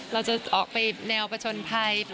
เราจะออกไปแนวประชนภัย